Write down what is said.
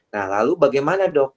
nah lalu bagaimana dok